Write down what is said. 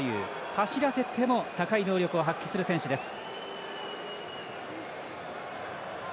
走らせても高い能力を発揮する選手です。